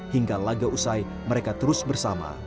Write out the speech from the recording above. hingga laga usai mereka terus bersama